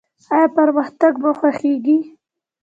ایا پرمختګ مو خوښیږي؟